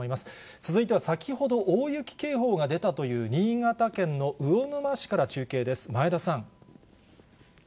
続いては先ほど大雪警報が出たという新潟県の魚沼市から中継です、前田さん。